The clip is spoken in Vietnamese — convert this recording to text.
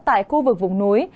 tại khu vực vùng núi